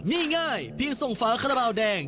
ง่ายเพียงส่งฝาขนาบราวแดง